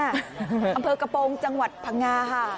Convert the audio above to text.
อำเภอกระโปรงจังหวัดพังงาค่ะ